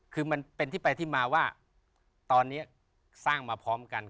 คือมันเป็นที่ไปที่มาว่าตอนนี้สร้างมาพร้อมกัน